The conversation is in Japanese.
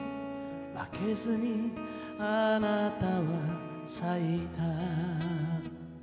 「負けずにあなたは咲いた」